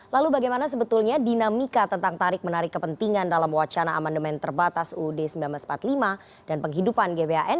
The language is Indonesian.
lalu bagaimana sebetulnya dinamika tentang tarik menarik kepentingan dalam wacana amandemen terbatas uud seribu sembilan ratus empat puluh lima dan penghidupan gbhn